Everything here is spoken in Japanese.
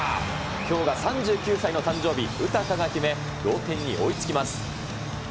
きょうが３９歳の誕生日、ウタカが決め、同点に追いつきます。